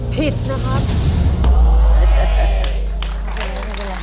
ผิดนะครับ